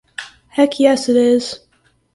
Heck yes it is.